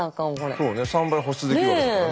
そうね３倍保湿できるわけだからね。